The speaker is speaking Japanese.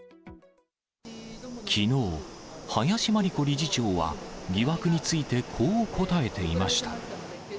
きのう、林真理子理事長は、疑惑についてこう答えていました。